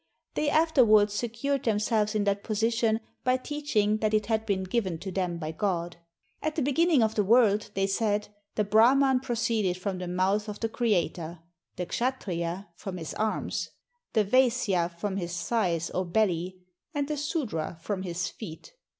They after wards secured themselves in that position by teaching that it had been given to them by God. At the begin ning of the world, they said, the Brahman proceeded from the mouth of the Creator, the Kshattriya from his arms, the Vaisya from his thighs or belly, and the Sudra from his feet.